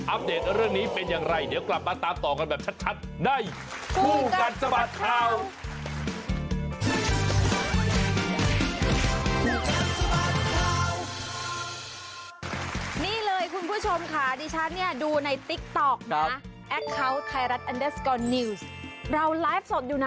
อัปเดตเรื่องนี้เป็นอย่างไรเดี๋ยวกลับมาตามต่อกันแบบชัดได้